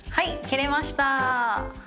切れましたー。